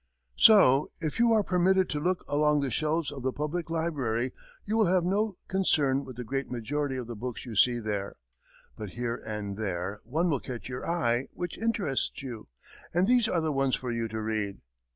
So if you are permitted to look along the shelves of the public library, you will have no concern with the great majority of the books you see there; but here and there one will catch your eye which interests you, and these are the ones for you to read.